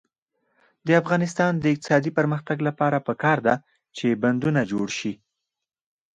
د افغانستان د اقتصادي پرمختګ لپاره پکار ده چې بندونه جوړ شي.